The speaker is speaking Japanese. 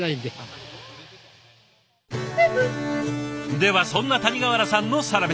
ではそんな谷川原さんのサラメシ。